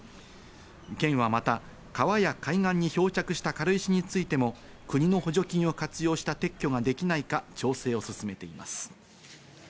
県はまた川や海岸に漂着した軽石についても国の補助金を活用した撤去ができないか調整を進めています。